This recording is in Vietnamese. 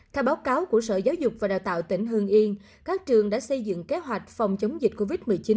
theo báo cáo của sở giáo dục và đào tạo tỉnh hương yên các trường đã xây dựng kế hoạch phòng chống dịch covid một mươi chín